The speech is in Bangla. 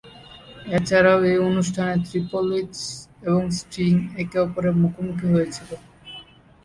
এছাড়াও এই অনুষ্ঠানে ট্রিপল এইচ এবং স্টিং একে অপরের মুখোমুখি হয়েছিল।